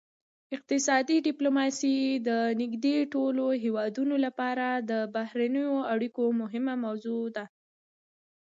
اقتصادي ډیپلوماسي د نږدې ټولو هیوادونو لپاره د بهرنیو اړیکو مهمه موضوع ده